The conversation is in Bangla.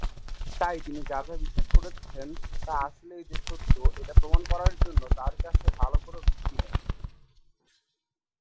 তাই তিনি যা যা বিশ্বাস করছেন তা আসলেই যে সত্য এটা প্রমাণ করার জন্য তার কাছে ভাল কোন ভিত্তি নেই।